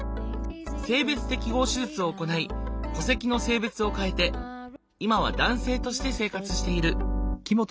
性別適合手術を行い戸籍の性別を変えて今は男性として生活している。